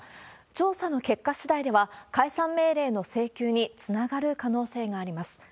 調査の結果しだいでは、解散命令の請求につながる可能性があります。